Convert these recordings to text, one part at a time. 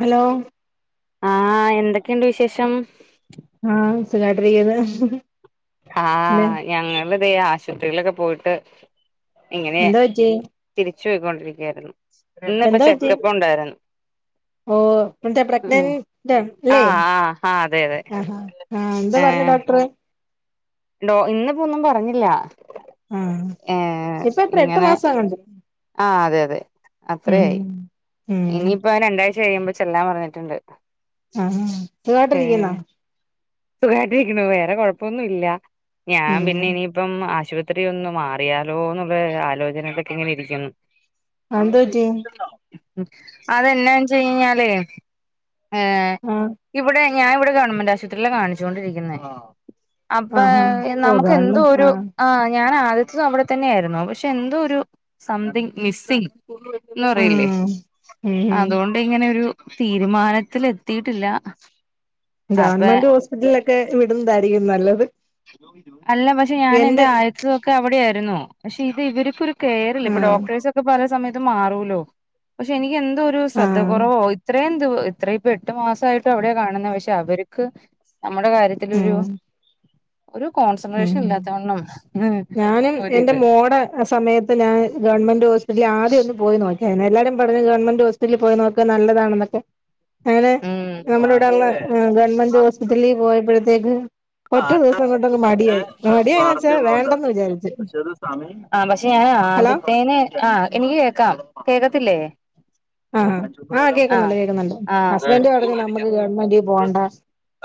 Hello ആഹ് എന്തൊക്കെയുണ്ട് വിശേഷം ആഹ് സുഖായിട്ടിരിക്കുന്നു. പിന്നെ ആഹ് ഞങ്ങളിതെ ആശുപത്രിയിലൊക്കെ പോയിട്ട് ഇങ്ങനെ എന്താ പറ്റി തിരിച്ചു പോയ്ക്കൊണ്ടിരിക്കുകയായിരുന്നു ഇന്നിപ്പ ചെക്കപ്പ് ഒണ്ടായിരുന്നു ഓഹ് പ്രഗ്നൻ ൻ്റാൺ ല്ലേ? ആഹ് ആഹ് ആഹ് അതെ അതെ ആഹ് ആഹാ ആഹ് എന്തൊ പറഞ്ഞു ഏഹ് ഡോക്ടറ്- ഡോ ഇന്നപ്പോ ഒന്നും പറഞ്ഞില്ല- ആഹ് ഏഹ് ഇപ്പ ഇത്ര എട്ട് ഇങ്ങനെ മാസ ആകണ്ടേ- ആഹ് അതെ അതെ അത്രയായി ഉം ഇനിയിപ്പോ രണ്ടാഴ്ച കഴിയുമ്പോ ചെല്ലാൻ പറഞ്ഞിട്ടുണ്ട്- ആഹ് സുഖായിട്ട് ഇരിക്കുന്നോ? സുഖായിട്ടിരിക്ക്ണു വേറെ കൊഴപ്പൊന്നും ഇല്ല ഞാൻ ഉം പിന്നെ ഇനിയിപ്പം- ആശുത്രി ഒന്ന് മാറിയാലോ എന്നുള്ള ആലോചനേലെക്കെ ഇങ്ങനെ ഇരിക്കുന്നു- എന്ത് പറ്റി അതെന്നാ ച്ച് ഞ്കയിഞ്ഞാലെ - ആഹ് - ഞാനിവിടെ ഗവൺമെന്റ് ആശുത്രിയിലാ കാണിച്ചുകൊണ്ടിരിക്കുന്നേ- അപ്പ ആഹാ ഓ നമുക്ക് എന്തോ ഗവൺമെന്റ് ഒരു ആഹ്- ഞാൻ ആദ്യത്തും അവിടെ തന്നെയാരുന്നു പക്ഷെ എന്തോ ഒരു സ്‌മ്തിങ് മിസ്സിംഗ്‌- ഒന്നും അറിയില്ലേ ആഹ് ഉം അതുകൊണ്ട് ഇങ്ങനെ ഒരു- തീരുമാനത്തി എത്തിട്ടില്ല ഗവൺമെന്റ് ഹോസ്പിറ്റലൊക്കെ ഇടുന്നതായിരിക്കും നല്ലത് അല്ല പക്ഷെ ഞാൻ എൻന്റെ എന്റെ [unintelligible] ആയസൊക്കെ അവിടെ ആായിരുന്നു പക്ഷെ ഇത് ഇവർക്കൊ കെയറില്ല ഇപ്പൊ ആഹ് ഡോക്ടേഴസ് ഒക്കെ പല സമയത്തും മാറൂലോ പക്ഷെ എനിക്ക് എന്തൊ ഒരു ശ്രദ്ധ ആഹ് കുറവോ ഇത്രയും അത്ര ഇപ്പ എട്ടു മാസയിട്ടും അവിടെ കാണുന്നത് പക്ഷെ അവർക്ക് നമ്മുടെ ഉം കാര്യത്തിലൊരു ഒരു കോൺസെൻട്രേഷൻ ഉം ഇല്ലാത്തവണ്ണം ഉം ഞാനും എന്റെ ഒരിത് മോടെ ആ സമയത്ത് ഞാൻ ഗവൺമെന്റ് ഹോസ്പിറ്റല ആദ്യം ഒന്ന് പോയി നോക്കിയ എല്ലാരും പറഞ്ഞു ഗവൺമെന്റ് ഹോസറ്റലിൽ പോയി നോക്കുക നല്ലതാണെന്നൊക്കെ അങ്ങനെ ഉം നമ്മുടെ ഇവിടെള്ള ഗവൺമെന്റ് ഹോസ്പിറ്റലിൽ പോയപ്പോഴത്തേക്ക് ഒറ്റ ദിവസം കൊണ്ടാങ്ങു മടിയായി മടിയായി വെച്ചാൽ വേണ്ട ആ പക്ഷെ ഞൻ ഹലോ ആദ്യത്തേന ആഹ എനിക്ക് കേക്കാം കേക്കത്തില്ലേ ആഹ് ആഹ് കേക്കുന്നുണ്ട് കേക്കുന്നുണ്ട് അ ഹസ്ബൻഡ് പറഞ്ഞു വിക്ക നമുക്ക് ഗവൺമെന്റിൽ എന്ത പോകണ്ട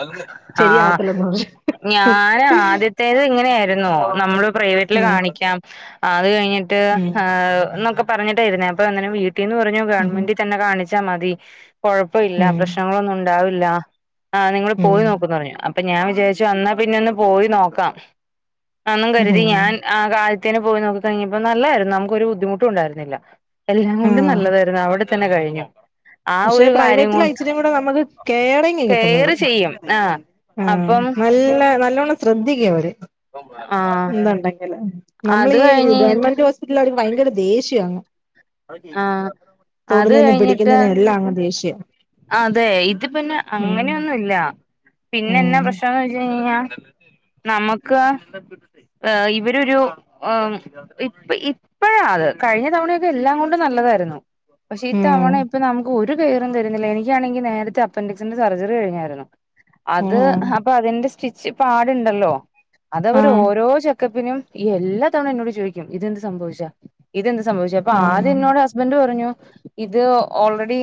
[unintelligible] അ ആഹ ശരിയാവത്തില്ലെന്ന് [unintelligible] പറഞ്ഞു ഞൻ ആദ്യത്തേത് ഇങ്ങനെയായിന്നോ നമ്മള് പ്രൈവറ്റില് കാണിക്കാം ആ അത് കഴിഞ്ഞിട്ട് ഉം പറഞ്ഞിട്ടായിരുന്നേ അപ്പൊ അങ്ങനെ വീട്ടീന്ന് പറഞ്ഞു ഗവൺമെന്റ് തന്നെ കാണിച്ച കാണിച്ച മതി കൊഴപ്പം ഇല്ല ഉം പ്രശ്നങ്ങളൊന്നും ഉണ്ടാവില്ല ആഹ നിങ്ങള് പോയി ഉം നോക്കന്ന് പറഞ്ഞു അപ്പൊ ഞാൻ വിചാരിച്ചു വന്നാ പിന്നെ ഒന്ന് പോയി നോക്കാം എന്നും ഉം കരുതി ഉം ഞാൻ ആ കാല പോയി നോക്കി കഴിഞ്ഞപ്പോ നല്ലായിരുന്നു നമ്മക്ക് ഒരു ബുദ്ധിമട്ടുണ്ടായിരുന്നില്ല എല്ലാം കൊണ്ടും ആഹ് നല്ലതായിരുന്നു അവിടെ തന്നെ കഴു കഞ്ഞ [unintelligible] ആ പക്ഷെ ഒരു കാര്യം പ്രൈവറ്റിലാ കൊണ്ട് ഇച്ചിരിയും കൂടെ നമുക്ക് കെയറിങ് കെയർ കിട്ടുന്നത് ചെയ്യും ആ ആഹ് അപ്പൊ നല്ല നല്ലവണം ശ്രദ്ധിക്കാ പറ്റ ആ [unintelligible] എതുണ്ടെങ്കിൽ നമ്മൾ ഈ കഴിഞ്ഞിട്ട് ഗവൺമെന്റ് ഹോസ്പിറ്റൽ ഭയങ്കര ദേഷ്യം ആഹ അത് തൊടുന്നതിനും കഴിഞ്ഞിട്ട് പിടിക്കുന്നതിനും എല്ലാം ദേഷ്യം അതെ ഇത് പിന്നെ അങ്ങനെയൊന്നും ഇല്ല പിന്നെ എന്നാ ഉം പ്രശ്നംന്ന് വെച്ച് കഴിഞ്ഞാ ഞാ നമുക്ക് ഏ ഇവരൊരു അം ഇപ്പ ഇപ്പഴാ അത് കഴിഞ്ഞ തവണയൊക്കെ എല്ലാം കൊണ്ടും നല്ലതായിരുന്നു പക്ഷെ ഇത്തവണ ഉം ഇപ്പം നമുക്ക് ഒരു കെയറും തരു ന്നില്ല എനിക്കാണെങ്കി നേരത്തെ അപ്പൻൻ്റിക്സിന്റെ സർജറി കഴിഞ്ഞാരുന്നു അത് ഉം അപ്പൊ അതിന്റെ സ്റ്റ് സ്റ്റിച്ച് പാടുണ്ടല്ലോ അത് അവര് ആഹ് ഓരോ ച ക്കപ്പിനും ഈ എല്ലാ തവണ എന്നോട് ചോയിക്കും ഇതെന്ത് സംഭവിച്ചെ ഇ ഇതെന്ത് സംഭവിച്ചെ അപ്പം ആഹ് ആദ്യം എന്നോട് ഹസ്ബൻ്റ് പറഞ്ഞു ഇത് ഓൾറെഡി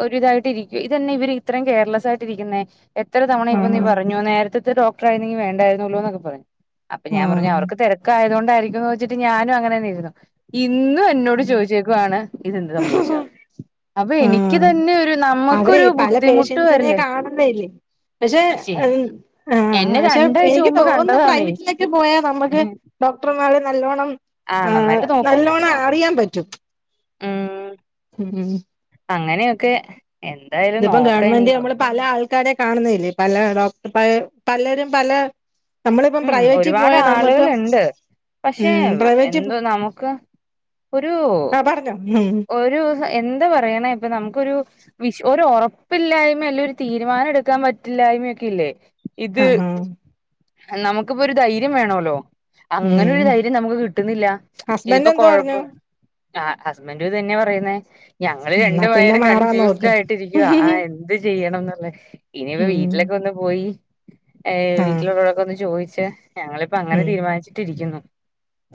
ഒ ഇതായിട്ട് ഇരിക്കും ഇതെന്നാ ഇവര് ഇത്രയും കെയർലെസ് ആയിട്ടിരിക്കുന്നേ എത്ര തവണ ഇപ്പം നീ ആഹ് പറഞ്ഞു നേരത്തെ ഇങ്ങനത്തെ ഡോക്ടറായിരുന്നെങ്കി വേണ്ടായിരുന്നല്ലോ എന്നൊക്കെ പറഞ്ഞ് അപം ഞാൻ പറഞ്ഞു ആഹ് അവർക്ക് തിരക്കായതോണ്ട് ണ്ടാരുക്കൂന്ന് വെച്ചിട്ട് ഞാനും അങ്ങനെ തന്നെയിരുന്നു ഈ ഇന്നും എന്നോട് ചോദിച്ചേക്കുവാണ് ഇതെന്ത് സംഭവിച്ചയാന്ന് അപ്പൊ എനിക്ക് ആഹ് തന്നെ ഒരു അവരെ നമ്മക്കൊരു പല ബുദ്ധിമുട്ട് പേഷ്യൻസിനെ വരില്ലേ കാണുന്നയല്ലേ പക്ഷെ പക്ഷേ അത് ആഹ് എന്നെ പക്ഷെ രണ്ടാഴ്ച എനിക്ക് മുമ്പ് തോന്നുന്ന് കണ്ടതാന്നേ പ്രൈവറ്റിലെക്കെ പോയാ നമുക്ക് ഡോക്ടർമാര് നല്ലോണം ആഹ് നന്നായിട്ട് നോക്കും നല്ലോണം അറിയാൻ പറ്റും ഉം ഉം അങ്ങനെയൊക്കെ എന്തായാലും ഇതിപ്പം നോക്കാം ഗവൺമെന്റ് ഇനിയിപ്പോ നമ്മള് പല ആൾ ആൾക്കാരെ കാണുന്നതല്ലേ പല ഡോക്ടർമാര് പലരും പല നമ്മളിപ്പം മ് പ്രൈവറ്റിൽ ഒരുപാട് പോയാ ആളുകൾ നമ്മുക്കും ഉണ്ട് പക്ഷെ ഉം പ്രൈവറ്റ് എന്തോ നമുക്ക് ഒരു ആ പറഞ്ഞോ ഉം ഒരു സ എന്ത് പറയണെ ഇപ്പം നമുക്കൊരു വിഷ് ഒരു ഒറപ്പില്ലായ്മല്ലേ ഒരു തീരുമാനം എടുക്കാൻ പറ്റില്ല [unintelligible] ആഹ് ആഹ് നമുക്കിപ്പൊ ഒരു ധൈര്യം വേണോല്ലോ അങ്ങനെ ഒരു ഉം ധൈര്യം നമുക്ക് കിട്ടുന്നില്ല ഹസ്ബൻഡ് ഇതിപ്പം എന്തോ പറഞ്ഞു കൊഴപ്പം ആ ഹസ്ബൻ്റും ഇതന്നെയ പറയുന്നേ ഞങ്ങള് രണ്ടു എന്നാ പിന്നെ പേരും മാറാൻ കൺഫ്യൂസ്ഡ് നോക്ക് ആയിട്ടിരിക്കുവ ആ എന്ത് ചെയ്യണംന്നുള്ളേ ഇനിപ്പം ഉം വീട്ടിലൊക്കെ ഒന്ന് പോയി ഏ ആ വീട്ടിലുള്ളവരോടൊക്കെ ഒന്ന് ചോയിച്ച് ഞങ്ങളിപ്പം അങ്ങനെ തീരുമാനിച്ചിട്ടിരിക്കുന്നു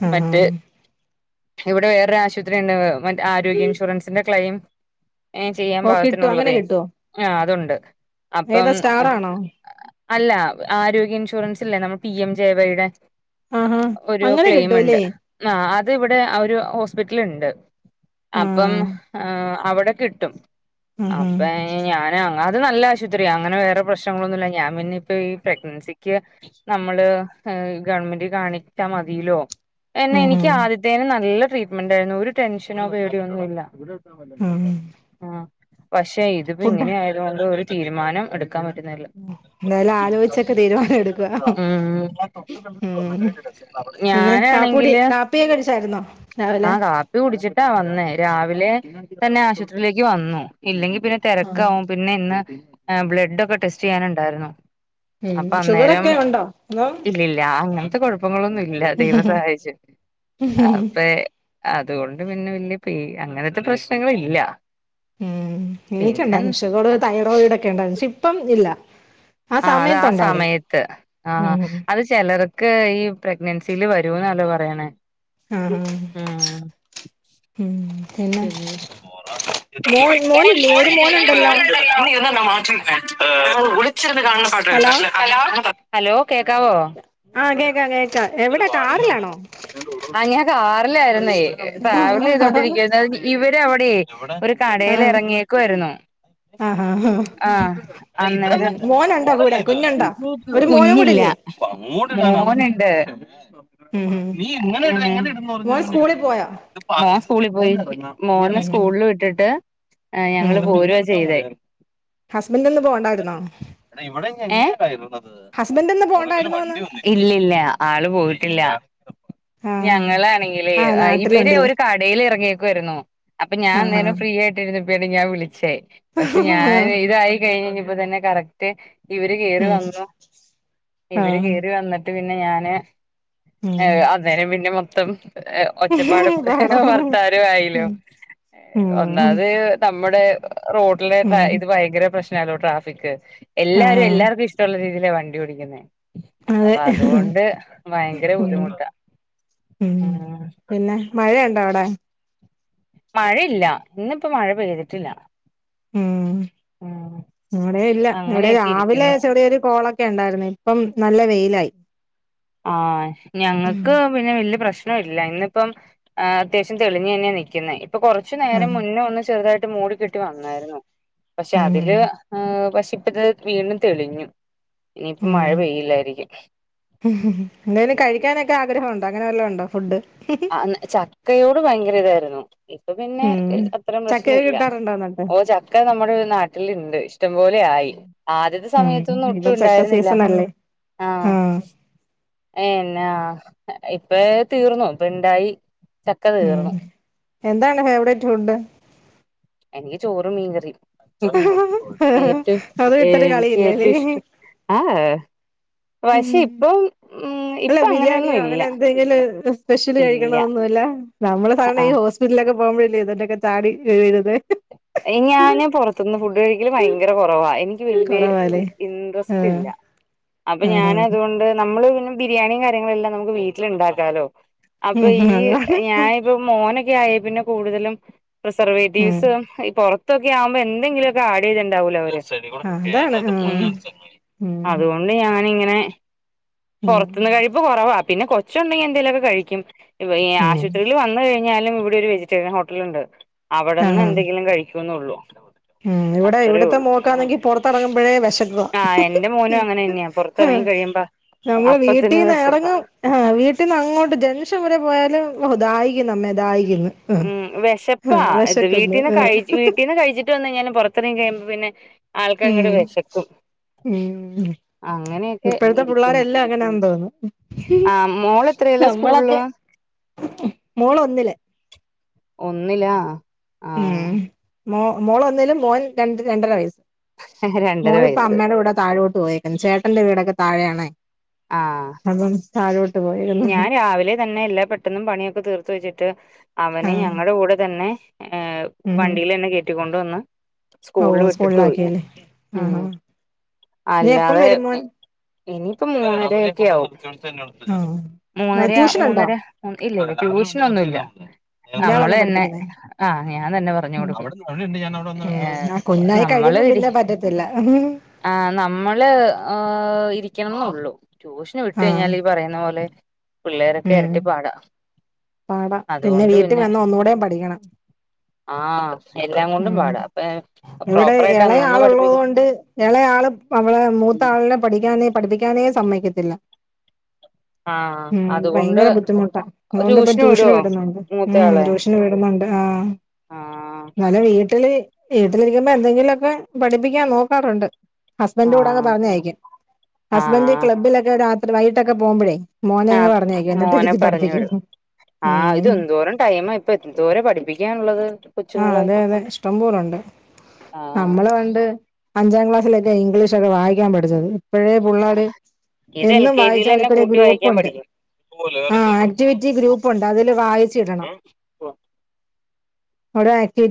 ആഹ് മറ്റ് ആഹ് ഇവിടെ വേറൊരു ആശുപത്രി ഉണ്ട് മറ്റ് ആരോഗ്യ ഇൻഷുറൻസിന്റെ ക്ലെയിം ഏ ചെയ്യാൻ ഓ കിട്ടും അങ്ങനെ പാകത്തിനുള്ളതേ കിട്ടുവോ ആ അതുണ്ട് അപ്പം ഏതാ അ സ്റ്റാറാണോ അല്ല ആരോഗ്യ ഇൻഷുറൻസ്സ്ല്ലേ നമ്മുടെ പി എം ജെ വൈടെ ആഹാ ഒരു അങ്ങനെ കിട്ടൂല്ലേ ക്ലെയിമിണ്ട് ആ അ അത് ഇവിടെ ആ ഒരു ഹോസ്പിറ്റലിണ്ട് ആ അപ്പം ആ അവിടെ കിട്ടും ആ ആ അപ്പം ഞാന് അ അത് നല്ല ആശൂത്രിയാ അങ്ങനെ വേറെ പ്രശ്നങ്ങളൊന്നുല്ല ഞാൻ പിന്നെ ഇപ്പം ഈ പ്രഗ്നൻസി ക്ക് നമ്മള് ഗവൺമെന്റി കാണിച്ചാ മതീലോ എന്നെ ആ ആ എനിക്ക് ആദ്യത്തേന് നല്ല ട്രീറ്റ്മെന്റ് ആയിരുന്നു ഒരു ടെൻഷനോ പേടിയോ ഒന്നും ഇല്ല ആ ആഹ് പക്ഷെ ഇതിപ്പം ഫുഡ് ഇങ്ങനെ ആയതുകൊണ്ട് ഒരു തീരുമാനം എടു എന്തായാലും ആലോയിച്ചൊക്കെ തീരു ഉം ഉം പിന്നെ കാപ്പൂടി ഞാനാണെങ്കില് കാപ്പിയൊക്കെ കുടിച്ചായിരുന്നോ രാവിലെ ആഹ് കാപ്പി കുടിച്ചിട്ടാ വന്നേ രാവിലെ തന്നെ ആശുപത്രിയിലേക്ക് വന്നു ഇല്ലെങ്കി പിന്നെ ആഹ് തിരക്കാവും പിന്നെ ഇന്ന് ബ്ലഡ് ഒക്കെ ടെസ്റ്റ് ചെയ്യാനുണ്ടായിരുന്നു ഉം അപ്പൊ അന്നേരം ഷുഗറൊക്കെ ഉണ്ടോ അതോ ഇല്ലില്ല അങ്ങനത്തെ കൊഴ പ്പങ്ങളൊന്നും ഇല്ല ദൈവം സഹായിച്ചു അപ്പേ അതുകൊണ്ട് പിന്നെ വല്യ പേ അങ്ങനത്തെ പ്രശ്നങ്ങളില്ല ഉം എനിക്ക് പിന്നെ ഉണ്ടായിരുന്നു ഷുഗർ തൈറോയിഡ് ഒക്കെ ഇണ്ടായിരുന്നു പക്ഷെ ഇപ്പം ഇല്ല ആ അത് ആ സമയത്ത് ആഹ് ഉം അത് ചിലർക്ക് ഈ പ്രഗ്നൻസിൽ വ [unintelligible] പറയണേ ആഹ് ഹ ഉം പിന്നെ പിന്നെന്ന ചോറാ മോൻ [unintelligible] മോനില്ലേ ഒരു മോനുണ്ടല്ലോ വിളിച്ചിരുന്ന് കാണുന്ന പാട്ട് ഹലോ കേക്കാവോ ആഹ് കേക്കാം കേക്കാം എന്തൊരു എവിടെ വാണിങ്‌ വന്ന് കാറിലാണോ അങ്ങനെ കാ [unintelligible] ട്രാവൽ ചെയ്തൊണ്ടിരി ആഹ് ഇവര് അവിടെയേ ഒരു കടേൽ എറങ്ങിയേക്കുവായിരുന്നു ആഹ് ആഹ് ആഹ് ഉം അന്നഞ്ഞേ മോനുണ്ടോ കൂടെ കുഞ്ഞുണ്ടോ ഒരു മോനും കുഞ്ഞില്ല കൂടില്ലേ ഉം മോന് ഉണ്ട് ഉം നീ എങ്ങന ഇടു എങ്ങനെ ഇടു എന്നു പറഞ്ഞ മോൻ എങ്ങനാ സ്കൂളിൽ പോയോ സ്കൂളിൽ പോയി മോനെ ഉം സ്കൂളിൽ വിട്ടിട്ട് ഞങ്ങള് പോരുവാ ചെയ്തെ ഹസ്ബൻൻഡിനിന്ന് പോണ്ടായിരുന്നോ ഏ ഹസ്ബൻഡ് ഇന്ന് പോണ്ടായിരുന്നോന്ന് ഇല്ലല്ല ആള് പോയിട്ടില്ല ആഹ് ഞങ്ങളാണെങ്കിലേ ആഹ് ഇവ്ടെ നാട്ടിലുണ്ടല്ലേ ഒരു കടേൽ എറങ്ങേക്കിവായിരുന്നു അപ്പൊ ഞാൻ ആഹ് അന്നേരം ഫ്രീ ആയിട്ട് ഇരുന്നപ്പൊഴാണ് ഞാൻ വിളിച്ചേ പക്ഷെ ആഹ് ഞാന് ഇതായി കഴിഞ്ഞു കഴിഞ്ഞ പ്പെ തന്നെ കറക്റ്റ് ഇവര് കേറി ഉം വന്നു ഇവര് ആഹ് കേറി വന്നിട്ട് പി പിന്നെ ഞാന് ഉം അന്നേരം പിന്നെ മൊത്തം ഒച്ചപ്പാട് ക്കേ ബഹളം വർ തരും ഉം അയിലും ഉം ഒന്നാമത് നമ്മുടെ റോഡിലെ തയ് ഉം ഇത് ഭയങ്ക എല്ലാരും ആഹ് എല്ലാർക്കും ഇഷ്ടവുള്ള രീതിയിലാണ് വണ്ടി ഒടിക്കുന്നേ അപ്പ അതെ അതുകൊണ്ട് ഭയങ്കര ഉം ബുദ്ധിമുട്ടാ ഉം പിന്നെ മഴ ഉണ്ടോ അവ്ടെ മഴയില്ല ഇന്നിപ്പോ മഴ പെയ്തിട്ടില്ല ഉം ഉം ഇവ്ടെ ഇല്ല ഇവ്ടെ അങ്ങനെയൊക്കെ രാവിലെ ഇരിക്കുന്നു ചെറിയ ഒര് കോൾ ക്കെ ഇണ്ടായിര്ന്ന് ഇപ്പം നല്ല വെയിലായി ആ ഉം ഞങ്ങക്ക് പിന്നെ വല്യ പ്രശ് ഇല്ല ഇന്ന് ഇപ്പം ഏ അത്യാവശ്യം തെളിഞ്ഞെയെന്നെ നിക്കിന്നെ ഇപ്പം കൊറച്ച് നേരം ഉം മുന്നേ ഒന്ന് ചെർതാ ട്ട് മൂടി കെട്ടി വന്നായിരുന്നു പക്ഷെ അതിൽ ഉം ഏ പ ഇപ്പതെ വീണ്ടും തെളിഞ്ഞു ഇനിയിപ്പം മഴ പെയ്യില്ലായിരിക്കും ഉം എന്തെലും ഉം കഴിക്കാനൊക്കെ ആഗ്രഹം ഉണ്ടോ അങ്ങനെ വല്ലോം ഉണ്ടോ ഫുഡ് ആ ന്ന് ചക്കയോട് ഭയങ്കര ഇതായിരുന്നു ഇപ്പ പിന്നെ ഉം അത്തരം പ്രശ്നം ചക്കയൊക്കെ ഇല്ല കിട്ടാറുണ്ടോ എന്നിട്ട് ഓ ചക്ക നമ്മുടെ നാട്ട്ൽ ഇണ്ട് ഇഷ്ടം പോലെ ആയി യി ആദ്യത്തെ സമയത്തൊന്നും ഒട്ടും ഇണ്ടായിര്ന്നില്ല ആ ഏ എന്നാ ഇപ്പയെ തീർന്നു ഇപ്പ ഇണ്ടായി ചക്ക ഉം തീർന്നു എന്താണ് ഫേവറേറ്റ് ഫുഡ് എനിക്ക് ചോറും മീൻകറിയും ഏറ്റവും അത് വിട്ടൊരു എനിക്ക് കളിയില്ലല്ലേ ഏറ്റവും ഇഷ്ടം ആഹ് വശെ ഉം ഇപ്പം ഉം അല്ല ഇപ്പൊ അങ്ങനെയൊന്നും ബിരിയാണിയോ ഇല്ല അങ്ങനെ എന്തെങ്കിലും സ്പെഷ്യല് ഇല്ല കഴിക്കണൊന്നും ഇല്ല നമ്മൾ സാധാര ഈ ആഹ് ഹോസ്പിറ്റലിലൊക്കെ പോവ്മ്പഴ് അല്ലേ ഇതൊക്കെ ചാടി [unintelligible] അയി ഞാൻ പൊറത്ത്ന്ന് ഫുഡ് കഴിക്കൽ ഭയങ്കര കൊറവാ എ ഇൻക്ക് വെൽതെ കൊറവാല്ലേ ഇന്ട്രെസ്റ്റ് ആഹ് ഇല്ല അപ്പ ഞാൻ ആഹ് അതുകൊണ്ട് നമ്മൾ പി ബിരിയാണിം കാര്യങ്ങളെല്ലാം നമുക്ക് വീട്ടിൽ ഇണ്ടാക്കാലോ അപ്പൊ ഈ ഉം അതാണ് ഞാനിപ്പോ മോൻ ക്കെ ആയെ പിന്നെ കൂട്തെലും ഉം പ്രസർവേറ്റീവ്സ് അ പൊറത്തൊക്കെ ആവുമ്പോ എന്തെങ്കിലും ഒക്കെ ആഡ് ചെയ്തിണ്ടാവൂലെ അവര് അതാണ് ഉം ആഹ് ഉം അതുകൊണ്ട് ഞാനിങ്ങനെ ഉം പൊറത്ത്ന്ന് കഴിപ്പ് കൊറവാ പിന്നെ കൊച്ചുണ്ടെങ്കി എന്തെലൊക്കെ കഴിക്കും ഇപ്പ ഈ ഉം ആശുപത്രിയിൽ വന്ന് കഴിഞ്ഞാ ഴിഞ്ഞാലും ഇവടെ ഒരു വെജിറ്റേറിയൻ ഹോട്ടൽ ഇണ്ട് അവടെന്ന് ആഹ് എന്തെങ്കിലും കഴിക്കുന്നൊള്ളു ഉം ഇവിടെ അത്രയേ ഇവിടത്തെ ഒള്ളു മോക്കാണെങ്കി പൊറത്തിറങ്ങുമ്പോഴേ വിശക്കുവാ ആ എന്റെ മോനും അങ്ങനെന്നെയാ പെറത്തെറ ങ്ങി കഴിയുമ്പ നമ്മൾ വീട്ടീന്ന് എറങ്ങും ആ വീട്ടീന്ന് അങ്ങോട്ട് ജംഗ്ഷൻ വരെ പോയാലും ഓ ദാഹിക്കുന്നമ്മേ ദാഹി ഉം വെശപ്പാ ഇത് വിശക്കുന്നു വീട്ടീന്ന് ആഹ് കഴിച്ച് വീട്ടീന്ന് കഴിച്ചി ട്ടൊന്ന് ഞാൻ പൊറത്തെറങ്ങി കഴിയുമ്പോ പിന്നെ ആൾക്ക് അങ്ങട്ട് ഉം വെശക്കും ഉം ഇപ്പഴ്ത്തെ പുള്ളാര് ഇരിക്കുന്നു എല്ലാം അങ്ങനാന്നു തോന്നുന്നു ആ മോള് എത്രയിലാ സ്കൂളില് നമ്മളൊക്കെ മോള് ഒന്നില് ഒന്നിലാ ആ ഉം മോ മോളൊന്നിലും മോൻ രണ്ട് രണ്ടര വയസ്സ് രണ്ടര മോളിപ്പ വയസ്സ് അമ്മേടെ കൂടെ താഴെോട്ട് പോയേക്ക്ന്ന് ചേട്ടന്റെ വീടൊക്കെ താഴെയാണെ ആഹ് അതും താഴോ ഞാൻ രാവിലെ തന്നെ എല്ലാ പെട്ടന്നും പണിയൊക്കെ തീർത്ത് വെച്ചിട്ട് അവനെ ആഹ് ഞങ്ങളുടെ കൂടെ തന്നെ ഏ ഉം വണ്ടിലെന്നെ കേറ്റിക്കൊണ്ട് വന്ന് ഓ സ്കൂൾൽ വിട്ടിട്ട് പോയി സ്കൂളിലാക്കിയല്ലേ ആഹ് ഉം ആഹ് ഇനി എപ്പം അല്ലാതെ വരും മോൻ ഇനിയിപ്പ മൂന്നര ഒക്കെ ആവും ആഹ് മൂന്നരയാ ട്യൂഷനുണ്ടോ മൂന്നര ഇല്ലയില്ല ട്യൂഷൻ ഒന്നും ഇല്ല നിന്റെ നമ്മൾ ആളാന്നോ തന്നെ പഠിപ്പിക്കുന്നെ ആ ഞാൻ തന്നെ പറഞ്ഞു ഉം കൊടുക്കും ഉം ഏ ആ കുഞ്ഞായി നമ്മള് കഴിയുമ്പോ ഇരി പിന്നെ പറ്റത്തില്ല ആ നമ്മള് ഓ ഇരി ക്കണള്ളു ട്യൂഷന് വിട്ട ആഹ് കഴിഞ്ഞാൽ ഈ പറയുന്ന പോലെ പിള്ളേരൊക്കെ ഉം ഇരട്ടി പാടാ പാടാ പിന്നെ വീട്ടിൽ വന്ന് ഒന്നുകൂടെയും പഠിക്കണം ആഹ് എല്ലാം കൊണ്ടും ഉം പാടാ അപ്പ ഇവിടെ പ്രോപ്പറായിട്ട് അന്നന്ന് ഇളയാള് ഉള്ളത് പഠിപ്പിക്കണം കൊണ്ട് ഇളയാള് അവളെ മൂ മൂത്ത ആളിനെ പഠിക്കാനെ പഠിപ്പിക്കാനെ സമ്മക്കത്തില്ല [inaudible] ഉം അതുകൊണ്ട് ഭയങ്കര ബുദ്ധിമുട്ടാ അതുകൊണ്ട് ഇപ്പം ട്യൂഷന് വിടുന്നുണ്ട് ഉം ട്യൂഷന് വിടുന്നുണ്ട് ആ ആ ന്നാല് വീട്ടിൽ വീട്ടിലിരിക്കുമ്പോ എന്തെങ്കിലുമൊക്കെ പഠിപ്പിക്കാൻ നോക്കാറുണ്ട് ഹസ്ബൻഡ് കൂടെ അങ് ആഹ് പറഞ്ഞയക്കും ഹസ്ബൻഡ് ആഹ് ക്ലബ്ബിലൊക്കെ രാത്രി വൈകിട്ടൊക്കെ പോകുമ്പോഴേ മോനേയങ് പറഞ്ഞയ്ക്കും എന്നിട്ട് ഇരുത്തി പഠിപ്പിക്കും ആ ഇത് ഉം എന്തോരം ടൈമാ ഇപ്പൊ എന്തോര പഠിപ്പിക്കാന് ഉള്ളത് ആ അതെ അതെ ഇഷ്ടംപോലെണ്ട് ആഹ് നമ്മള് പണ്ട് അഞ്ചാം ക്ലാസ്സിലൊക്കെ ഇംഗ്ലീഷ് ഒക്കെ വായിക്കാൻ പഠിച്ചത് ഇപ്പോഴേ പുള്ളാര് ഇത് എൽ എന്നും കെ വായിച്ച ജിയിലെന്നെ അവർക്കിടെ കൂട്ടി വായിക്കാൻ ഗ്രൂപ്പുണ്ട് പഠിക്കും ആ ആക്ടിവിറ്റി ഗ്രൂപ്പുണ്ട് അതില് വായിച്ച് ഇടണം വിടെ ആക്റ്റീവ്